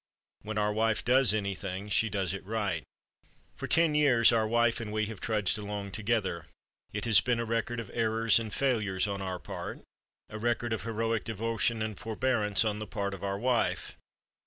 When our wife does anything she does it right. "For ten years our wife and we have trudged along together. It has been a record of errors and failures on our part; a record of heroic devotion and forbearance on the part of our wife.